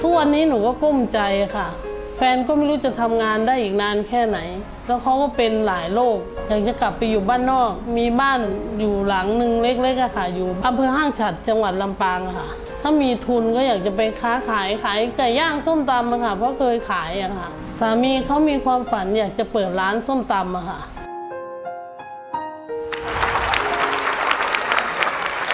ทุกวันนี้หนูก็กุ้มใจค่ะแฟนก็ไม่รู้จะทำงานได้อีกนานแค่ไหนแล้วเขาก็เป็นหลายโรคอยากจะกลับไปอยู่บ้านนอกมีบ้านอยู่หลังนึงเล็กเล็กอะค่ะอยู่อำเภอห้างฉัดจังหวัดลำปางค่ะถ้ามีทุนก็อยากจะไปค้าขายขายไก่ย่างส้มตำค่ะเพราะเคยขายอ่ะค่ะสามีเขามีความฝันอยากจะเปิดร้านส้มตำอ่ะค่ะ